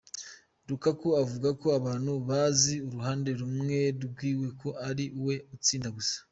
Lukaku avuga ko "Abantu bazi uruhande rumwe rwiwe, ko ari we atsinda gusa.